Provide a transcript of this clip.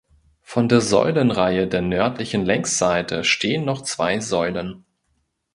Von der Säulenreihe der nördlichen Längsseite stehen noch zwei Säulen.